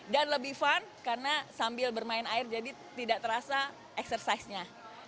dan lebih fun karena sambil bermain air jadi tidak terasa eksersisnya